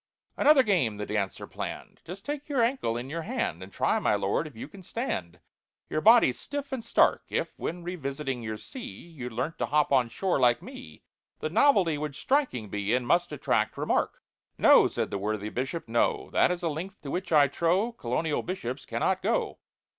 Another game the dancer planned— "Just take your ankle in your hand, And try, my lord, if you can stand— Your body stiff and stark. If, when revisiting your see, You learnt to hop on shore—like me— The novelty would striking be, And must attract remark." "No," said the worthy Bishop, "no; That is a length to which, I trow, Colonial Bishops cannot go.